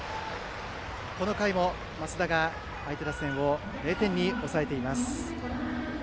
この回も升田が相手打線を０点に抑えています。